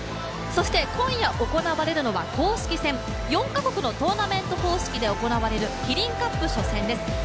今夜行われるのは公式戦、４カ国のトーナメント方式で行われる「キリンカップ」初戦です。